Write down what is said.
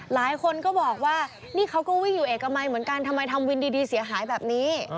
หลายคนก็บอกว่านี่เขาก็วิ่งอยู่เอกมัยเหมือนกันทำไมทำวินดีเสียหายแบบนี้